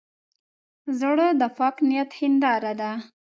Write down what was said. زړه د پاک نیت هنداره ده.